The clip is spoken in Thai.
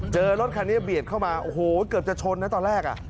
รถคันนี้เบียดเข้ามาโอ้โหเกือบจะชนนะตอนแรกอ่ะ